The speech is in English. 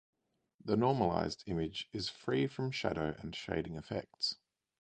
The normalized image is free from shadow and shading effects.